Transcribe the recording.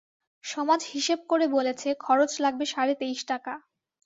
সমাজ হিসেব করে বলেছে, খরচ লাগবে সাড়ে তেইশ টাকা।